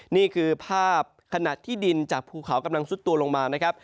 นี่คือภาพขณะที่ดินจากพูดเคล้ากำลังทดตัวลงมา